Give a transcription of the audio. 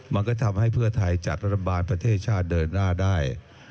มันก็ทำให้เพื่อไทยจัดรัฐบาลประเทศชาติเดินหน้าได้